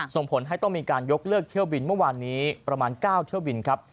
ส่งผลให้ต้องมีการยกเลิกเที่ยวบินเมื่อวานนี้ประมาณ๙เที่ยวบินครับ